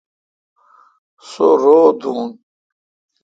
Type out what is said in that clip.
سو رو دوں۔